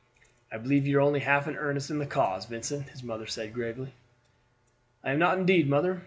"I believe you are only half in earnest in the cause, Vincent," his mother said gravely. "I am not indeed, mother.